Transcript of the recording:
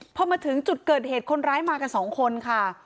พอมาถึงจุดเกิดเหตุคนร้ายมากันสองคนค่ะ